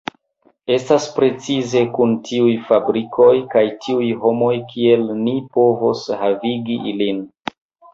Estas precize kun tiuj fabrikoj kaj tiuj homoj kiel ni povos havigi ilin.